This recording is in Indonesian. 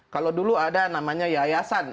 kalau dulu ada namanya yayasan